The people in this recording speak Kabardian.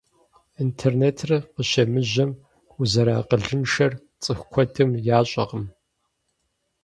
Интернетыр къыщемыжьэм, узэрыакъылыншэр цӏыху куэдым ящӏакъым.